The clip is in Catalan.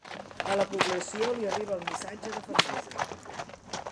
A la població li arriba el missatge de fermesa.